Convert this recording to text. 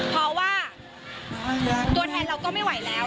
เพราะว่าตัวแทนเราก็ไม่ไหวแล้ว